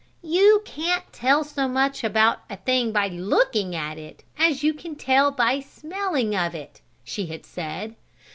"You can't tell so much about a thing by looking at it as you can by smelling of it," she had said.